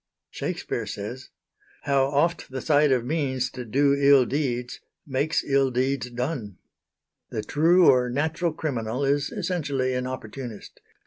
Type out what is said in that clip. Shakespeare says: "How oft the sight of means to do ill deeds Makes ill deeds done." The true or natural criminal is essentially an opportunist.